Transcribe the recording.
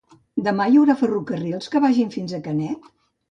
Demà hi haurà ferrocarrils que vagin fins a Canet?